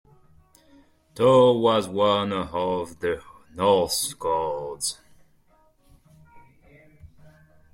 Thor was one of the Norse gods.